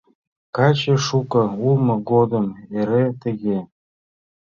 Каче шуко улмо годым эре тыге.